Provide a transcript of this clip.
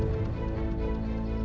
nanti aku akan datang